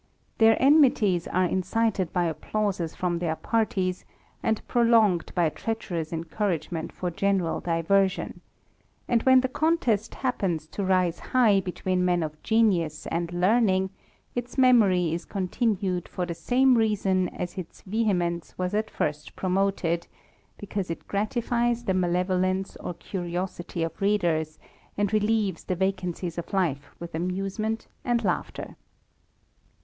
Their enmities are incited by applauses from their parties, and prolonged by treacherous encouragement THE RAMBLER, 59 for general diversion ; and when the contest happens to rise high between men of genius and learning, its memory is continued for the same reason as its vehemence was at first promoted, because it gratifies the malevolence or curiosity of readers, and relieves the vacancies of life with amusement and laughter.